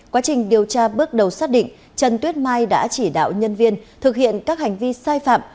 quá trình điều tra bước đầu xác định trần tuyết mai đã chỉ đạo nhân viên thực hiện các hành vi sai phạm